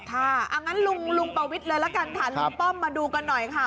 ค่ะอันนั้นลุงประวิทธิ์เลยละกันถามลุงป้อมมาดูกันหน่อยค่ะ